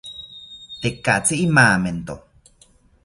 Tekatzi imamento